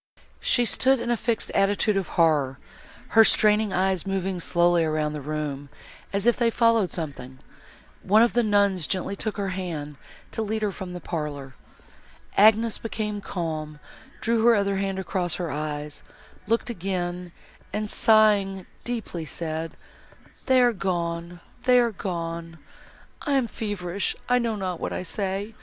She stood in a fixed attitude of horror, her straining eyes moving slowly round the room, as if they followed something. One of the nuns gently took her hand, to lead her from the parlour. Agnes became calm, drew her other hand across her eyes, looked again, and, sighing deeply, said, "They are gone—they are gone! I am feverish, I know not what I say.